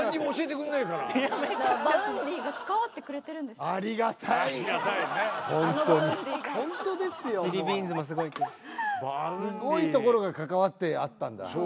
すごいところが関わってあったんだね。